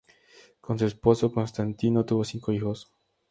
Con su esposo Constantino tuvo cinco hijos.